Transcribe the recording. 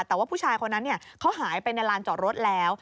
แต่ว่าผู้ชายคนนั้นเขาหายไปในลานจอดรถแล้ว